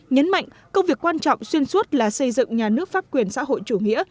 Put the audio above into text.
nhấn mạnh công việc quan trọng xuyên suốt là xây dựng nhà nước pháp quyền xã hội chủ nghĩa